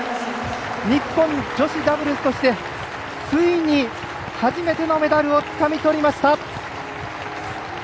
日本、女子ダブルスとしてついに初めてのメダルをつかみとりました！